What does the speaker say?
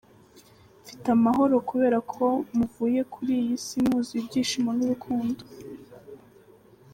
"Mfite amahoro kubera ko muvuye kuri iyi si mwuzuye ibyishimo n'urukundo.